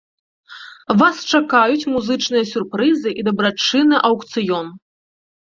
Вас чакаюць музычныя сюрпрызы і дабрачынны аўкцыён.